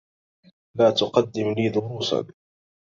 لا تقدّم لي دروسا.